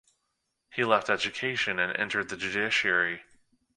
He left education and entered the judiciary.